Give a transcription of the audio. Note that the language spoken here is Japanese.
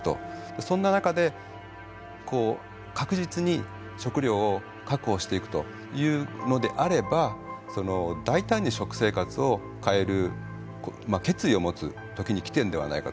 そんな中で確実に食料を確保していくというのであれば大胆に食生活を変える決意を持つ時にきてるのではないかと。